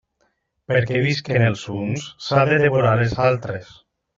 Perquè visquen els uns, s'ha de devorar els altres.